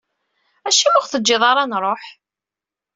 Acimi ur ɣ-teǧǧiḍ ara nruḥ?